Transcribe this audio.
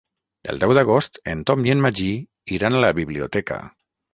El deu d'agost en Tom i en Magí iran a la biblioteca.